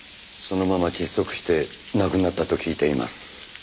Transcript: そのまま窒息して亡くなったと聞いています。